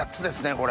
これ。